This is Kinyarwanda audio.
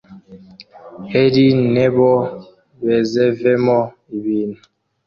eri nebo bezevemo ibintu